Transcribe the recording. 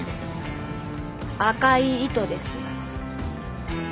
赤い糸です。